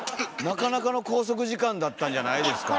なかなかの拘束時間だったんじゃないですか？